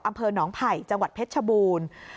อำเภอหนองไผ่จังหวัดเพชรชบูรณ์